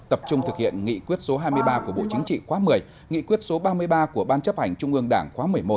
tập trung thực hiện nghị quyết số hai mươi ba của bộ chính trị khóa một mươi nghị quyết số ba mươi ba của ban chấp hành trung ương đảng khóa một mươi một